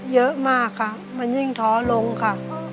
เยอะมากค่ะมันยิ่งท้อลงค่ะ